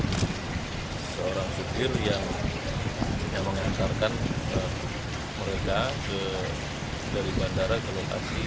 ini adalah seorang sopir yang mengantarkan mereka dari bandara ke lokasi